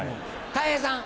たい平さん。